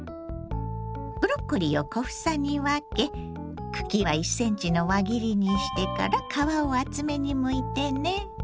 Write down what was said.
ブロッコリーを小房に分け茎は１ｃｍの輪切りにしてから皮を厚めにむいてね。